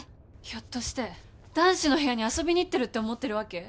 ひょっとして男子の部屋に遊びに行ってるって思ってるわけ？